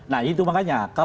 nah itu makanya